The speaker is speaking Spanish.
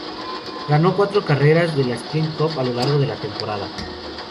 Ganó cuatro carreras de la Sprint Cup a lo largo de la temporada.